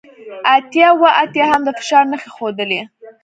اتیا اوه اتیا هم د فشار نښې ښودلې